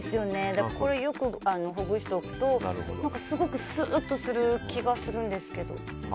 だから、よくほぐしておくとすごくスッとする気がするんですけど。